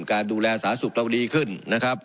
การดูแลสาธารณสุขเราดีขึ้นนะครับ